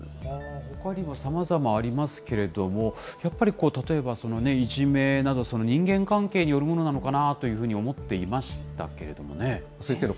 ほかにもさまざまありますけれども、やっぱり、例えばいじめなど、人間関係によるものなのかなと思っていましたけれどもね。